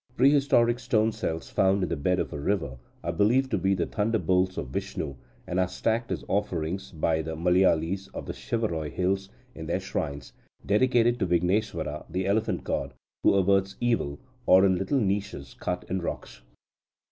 Prehistoric stone cells, found in the bed of a river, are believed to be the thunderbolts of Vishnu, and are stacked as offerings by the Malaialis of the Shevaroy hills in their shrines dedicated to Vigneswara the elephant god, who averts evil, or in little niches cut in rocks.